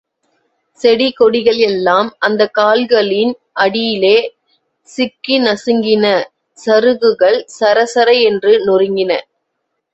செடி கொடிகள் எல்லாம் அந்தக் கால்களின் அடியிலே சிக்கி நசுங்கின சருகுகள் சரசர என்று நொறுங்கின.